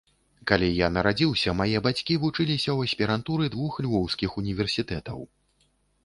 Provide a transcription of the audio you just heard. Калі я нарадзіўся, мае бацькі вучыліся ў аспірантуры двух львоўскіх універсітэтаў.